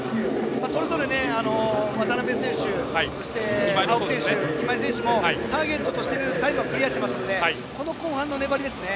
それぞれ渡部選手、青木選手今井選手もターゲットにしているタイムはクリアしていますのでこの後半の粘りですね。